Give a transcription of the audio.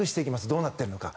どうなっているのか。